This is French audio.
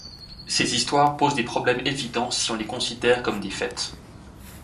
Ces histoires posent des problèmes évidents si on les considère comme des faits.